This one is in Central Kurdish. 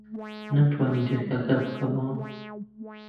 نەمتوانی دەرگاکە بکەمەوە.